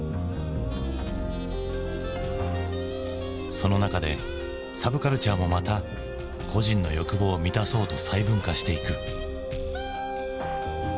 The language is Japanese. その中でサブカルチャーもまた個人の欲望を満たそうと細分化していく。